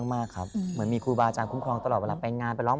มากครับเหมือนมีครูบาอาจารย์คุ้มครองตลอดเวลาไปงานไปร้อง